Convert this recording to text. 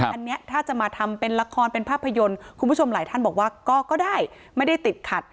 อันนี้ถ้าจะมาทำเป็นละครเป็นภาพยนตร์คุณผู้ชมหลายท่านบอกว่าก็ได้ไม่ได้ติดขัด